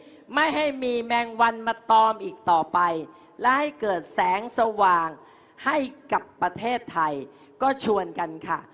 เพื่อไม่ให้มีแมงวันมาตอมอีกต่อไปและให้เกิดแสงสว่างให้กับประเทศไทยก็ชวนกันค่ะ